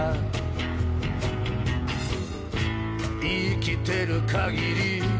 「生きてるかぎり